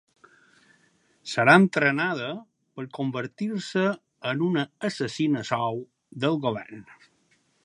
Serà entrenada per convertir-se en una assassina a sou del govern.